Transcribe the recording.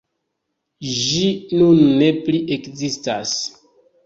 Ĝi nun ne plu ekzistas.